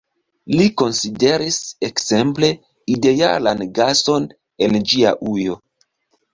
Li konsideris, ekzemple, idealan gason en ĝia ujo.